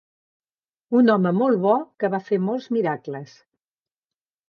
Un home molt bo que va fer molts miracles.